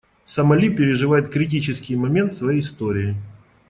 Сомали переживает критический момент в своей истории.